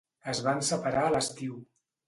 Es van separar a l'estiu.